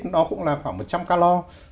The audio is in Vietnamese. nó cũng là khoảng một trăm linh calor